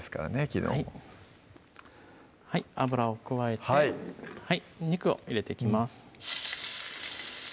昨日も油を加えて肉を入れていきます